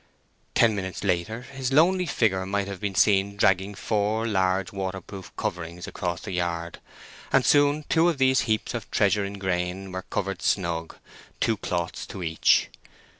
Ten minutes later his lonely figure might have been seen dragging four large water proof coverings across the yard, and soon two of these heaps of treasure in grain were covered snug—two cloths to each.